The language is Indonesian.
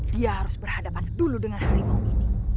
dia harus berhadapan dulu dengan harimau ini